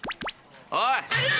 おい。